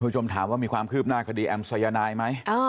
ชมถามว่ามีความคืบหน้าคดีแอมสายนายไหม